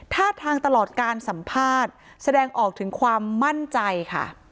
ท่าทางตลอดการสัมภาษณ์แสดงออกถึงความมั่นใจค่ะ